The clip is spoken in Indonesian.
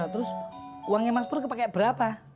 terus uangnya mas pur kepake berapa